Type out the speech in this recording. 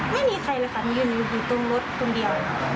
ไม่มีใครเลยค่ะหนูยืนอยู่ตรงรถตรงเดียว